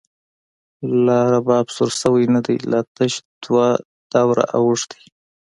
لا رباب سور شوۍ ندۍ، لا تش دوه دوره اوښتۍ